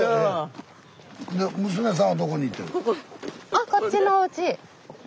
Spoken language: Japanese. あこっちのおうち。